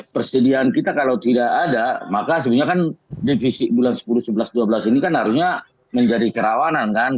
persediaan kita kalau tidak ada maka sebenarnya kan divisi bulan sepuluh sebelas dua belas ini kan harusnya menjadi kerawanan kan